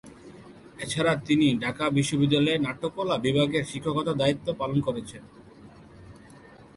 এছাড়া তিনি ঢাকা বিশ্ববিদ্যালয়ে নাট্যকলা বিভাগে শিক্ষকতার দায়িত্ব পালন করছেন।